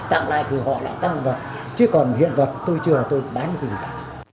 tại vì họ đã tặng vật chứ còn hiện vật tôi chưa tôi bán cái gì cả